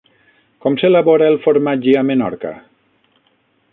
Com s'elabora el formatge a Menorca?